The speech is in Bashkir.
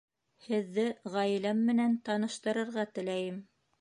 Һеҙҙе ғаиләм менән таныштырырға теләйем